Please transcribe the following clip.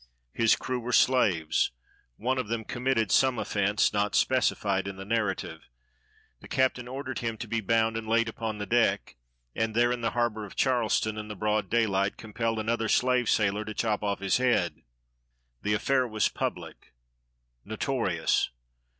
His crew were slaves: one of them committed some offence, not specified in the narrative. The captain ordered him to be bound and laid upon the deck; and there, in the harbor of Charleston, in the broad daylight, compelled another slave sailor to chop off his head. The affair was public—notorious.